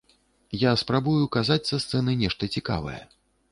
Я спрабую казаць са сцэны нешта цікавае.